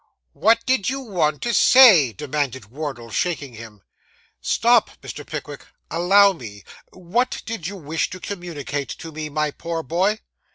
'What did you want to say?' demanded Wardle, shaking him. 'Stop!' said Mr. Pickwick; 'allow me. What did you wish to communicate to me, my poor boy?